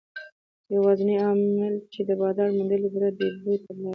یوازینی عامل یې د بازار موندنې بورډ د بیو تګلاره ده.